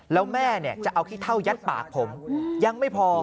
แล้วแม่จะเอาขี้เท่ายัดปากผมยังไม่พอ